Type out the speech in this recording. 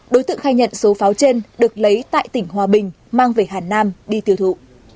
đối tượng khai nhận số pháo trên được lấy tại tỉnh hòa bình mang về hà nam đi tiêu thụ